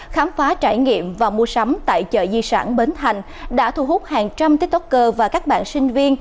khám phá trải nghiệm và mua sắm tại chợ di sản bến thành đã thu hút hàng trăm tiktoker và các bạn sinh viên